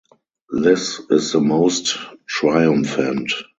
This is the most triumphant.